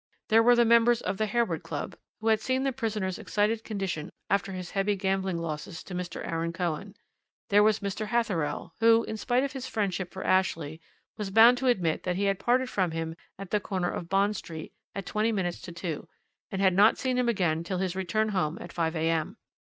There were the members of the Harewood Club who had seen the prisoner's excited condition after his heavy gambling losses to Mr. Aaron Cohen; there was Mr. Hatherell, who, in spite of his friendship for Ashley, was bound to admit that he had parted from him at the corner of Bond Street at twenty minutes to two, and had not seen him again till his return home at five a.m.